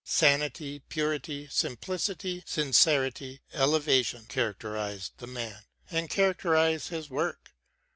Sanity, purity, simplicity, sincerity, elevation characterised the man, and characterise his work.